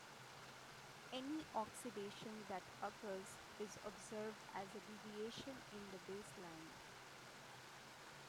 Any oxidation that occurs is observed as a deviation in the baseline.